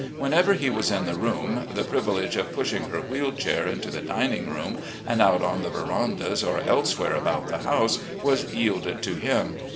Whenever he was in the room, the privilege of pushing her wheeled chair into the dining room and out on the verandas or elsewhere about the house was yielded to him.